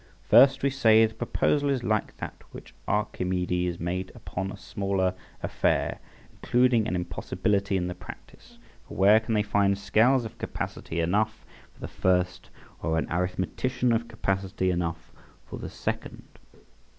First, we say the proposal is like that which Archimedes made upon a smaller affair {65a}, including an impossibility in the practice; for where can they find scales of capacity enough for the first, or an arithmetician of capacity enough for the second.